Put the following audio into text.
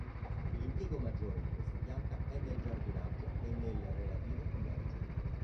L'impiego maggiore di questa pianta è nel giardinaggio e nel relativo commercio.